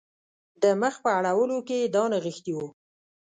د مخ په اړولو کې یې دا نغښتي وو.